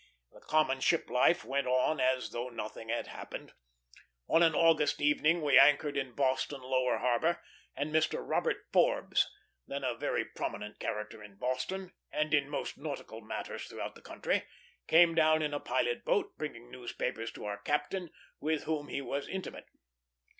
The common ship life went on as though nothing had happened. On an August evening we anchored in Boston lower harbor, and Mr. Robert Forbes, then a very prominent character in Boston, and in most nautical matters throughout the country, came down in a pilot boat, bringing newspapers to our captain, with whom he was intimate.